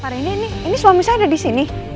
pak rendy ini suami saya ada disini